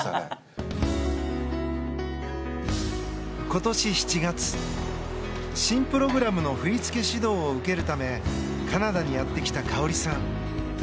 今年７月、新プログラムの振り付け指導を受けるためカナダにやって来た花織さん。